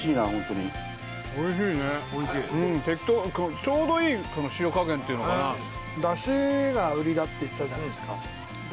うん適当ちょうどいい塩加減っていうのかなだしが売りだって言ってたじゃないですか